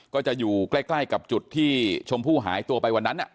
ก็จะอยู่ใกล้กับจุดที่ชมพู่หายตัวไปวันนั้น